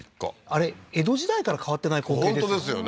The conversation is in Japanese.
あれ江戸時代から変わってない光景ですよ